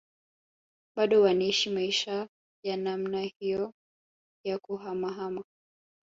Bado wanaishi maisha ya namna hiyo ya kuhamahama